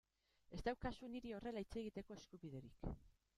Ez daukazu niri horrela hitz egiteko eskubiderik.